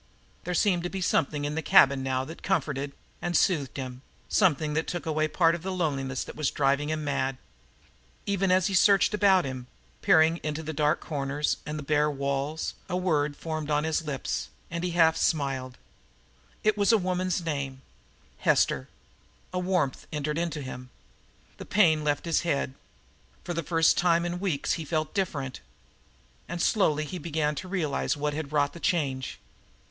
There seemed to be something in the cabin now that comforted and soothed him, something that took away a part of the loneliness that was driving him mad. Even as he searched about him, peering into the dark corners and at the bare walls, a word formed on his lips, and he half smiled. It was a woman's name Hester. And a warmth entered into him. The pain left his head. For the first time in weeks he felt DIFFERENT. And slowly he began to realize what had wrought the change.